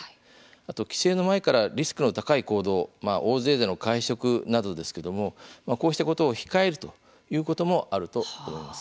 あと帰省の前からリスクの高い行動大勢での会食などですけどもこうしたことを控えるということもあると思います。